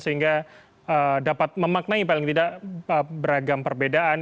sehingga dapat memaknai paling tidak beragam perbedaan